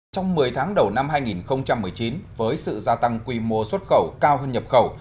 trong một mươi tháng đầu năm hai nghìn một mươi chín với sự gia tăng quy mô xuất khẩu cao hơn nhập khẩu